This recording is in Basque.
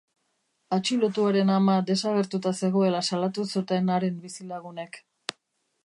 Atxilotuaren ama desagertuta zegoela salatu zuten haren bizilagunek.